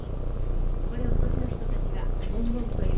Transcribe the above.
これを土地の人たちはモンモンと呼びます。